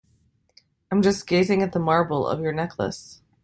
I'm just gazing at the marble of your necklace.